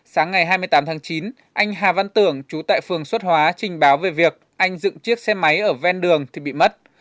sáng ngày hai mươi tám tháng chín anh hà văn tưởng chú tại phường xuất hóa trình báo về việc anh dựng chiếc xe máy ở ven đường thì bị mất